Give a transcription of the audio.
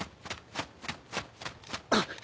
あっ！